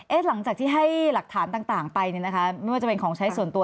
หลังจากที่ให้หลักฐานต่างไปเนี่ยนะคะไม่ว่าจะเป็นของใช้ส่วนตัว